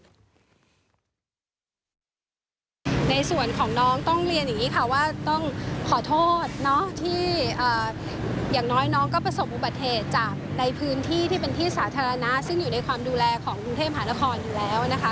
ในส่วนของน้องต้องเรียนอย่างนี้ค่ะว่าต้องขอโทษที่อย่างน้อยน้องก็ประสบอุบัติเหตุจากในพื้นที่ที่เป็นที่สาธารณะซึ่งอยู่ในความดูแลของกรุงเทพหานครอยู่แล้วนะคะ